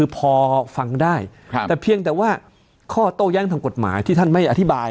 พอฟังได้แต่เพียงแต่ว่าข้อโต้แย้งทางกฎหมายที่ท่านไม่อธิบาย